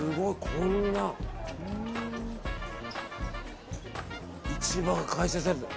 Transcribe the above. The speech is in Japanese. こんな市場が開催されてる。